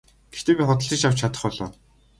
Гэхдээ би худалдаж авч чадах болов уу?